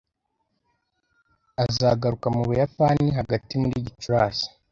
Azagaruka mu Buyapani hagati muri Gicurasi.